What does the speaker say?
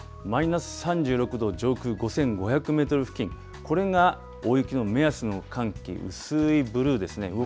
マイナス３６度、上空５５００メートル付近、これが大雪の目安の寒気、薄いブルーですね。